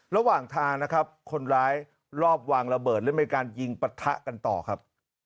ระหว่างทางนะครับคนร้ายรอบวางระเบิดและมีการยิงปะทะกันต่อครับ